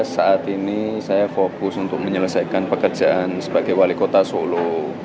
saat ini saya fokus untuk menyelesaikan pekerjaan sebagai wali kota solo